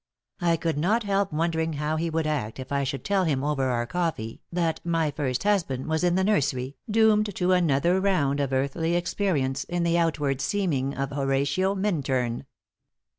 I could not help wondering how he would act if I should tell him over our coffee that my first husband was in the nursery, doomed to another round of earthly experience in the outward seeming of Horatio Minturn.